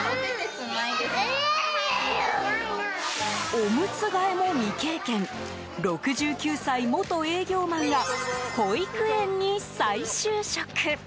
おむつ替えも未経験、６９歳元営業マンが保育園に再就職。